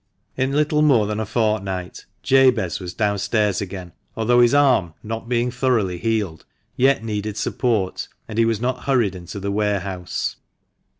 In little more than a fortnight Jabez was downstairs again, although his arm, not being thoroughly healed, yet needed support, and he was not hurried into the warehouse.